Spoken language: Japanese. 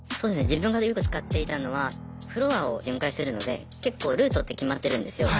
自分がよく使っていたのはフロアを巡回してるので結構ルートって決まってるんですよ。